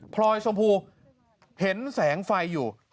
พลอยชมพูเห็นแสงไฟอยู่